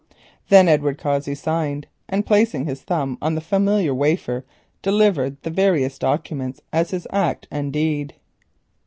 Then Edward Cossey signed, and placing his thumb on the familiar wafer delivered the various documents as his act and deed.